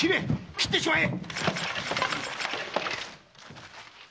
斬ってしまえ！